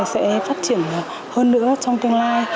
sẽ phát triển hơn nữa trong tương lai